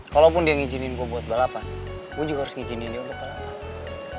kalaupun dia ngijinin gue buat balapan gue juga harus ngijinin dia untuk balapan